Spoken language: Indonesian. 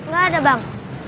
gak ada bang